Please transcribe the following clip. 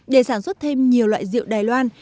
để sản xuất thêm nhiều loại rượu đài loan